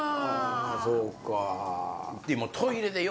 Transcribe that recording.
そうか。